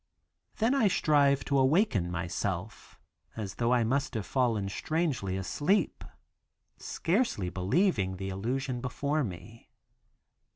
Then I strive to awaken myself, as though I must have fallen strangely asleep, scarcely believing the illusion before me.